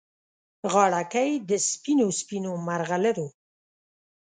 غاړګۍ د سپینو، سپینو مرغلرو